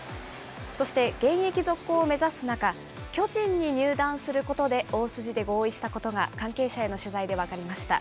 そして現役続行を目指す中、巨人に入団することで大筋で合意したことが、関係者への取材で分かりました。